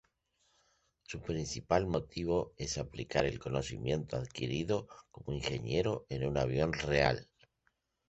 Su principal motivo es aplicar el conocimiento adquirido como ingeniero en un avión real.